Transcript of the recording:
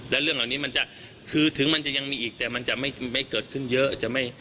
และเรื่องเหล่านี้มันจะคือถึงมันจะยังมีอีกแต่มันจะไม่เกิดขึ้นเยอะ